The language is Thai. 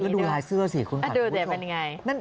ดูลายเสื้อสิคุณผู้ชม